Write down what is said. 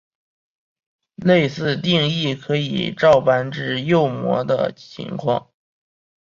类似定义可以照搬至右模的情况。